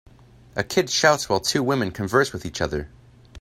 A kid shouts while two women converse with each other.